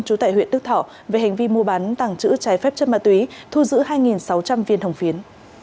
trú tại huyện đức thọ về hành vi mua bán tàng trữ trái phép chất ma túy thu giữ hai sáu trăm linh viên hồng phiến